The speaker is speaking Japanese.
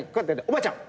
「おばあちゃん